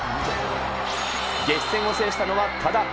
激戦を制したのは多田。